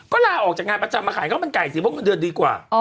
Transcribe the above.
ก็ลาออกจากงานประจำมาขายข้าวมันไก่สิเพราะเงินเดือนดีกว่า